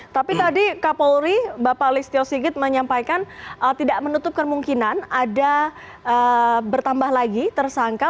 tapi tadi kapolri bapak listio sigit menyampaikan tidak menutup kemungkinan ada bertambah lagi tersangka